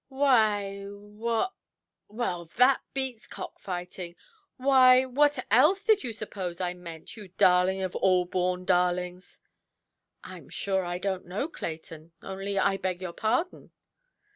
"Why, what—well, that beats cockfighting!—why, what else did you suppose I meant, you darling of all born darlings"? "I am sure I donʼt know, Clayton. Only I beg your pardon".